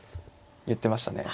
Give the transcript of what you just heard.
言ってましたね。